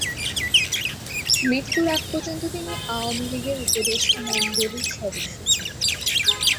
মৃত্যুর আগ পর্যন্ত তিনি আওয়ামীলীগের উপদেষ্টা মণ্ডলীর সদস্য ছিলেন।